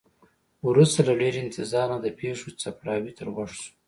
وروسته له ډیر انتظار نه د پښو څپړاوی تر غوږ شو.